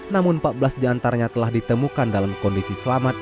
namun empat belas diantaranya telah ditemukan dalam kondisi selamat